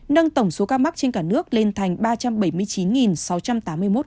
nâng tổng số ca mắc trên cả nước lên thành ba trăm bảy mươi chín sáu trăm tám mươi một ca